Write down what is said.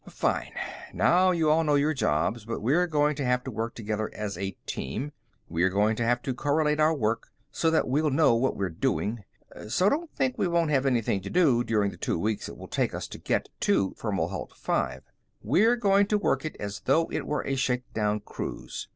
"Fine. Now, you all know your jobs, but we're going to have to work together as a team. We're going to have to correlate our work so that we'll know what we're doing. So don't think we won't have anything to do during the two weeks it will take us to get to Fomalhaut V. We're going to work it as though it were a shakedown cruise.